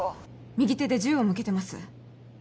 右手で銃を向けてます